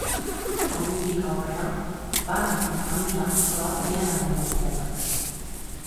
Ordutik aurrera Banak izan dira Kroazian agindu dutenak.